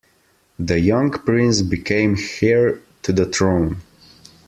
The young prince became heir to the throne.